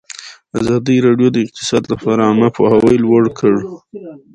ازادي راډیو د اقتصاد لپاره عامه پوهاوي لوړ کړی.